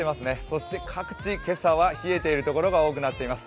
そして各地、今朝は冷えているところが多くなっています。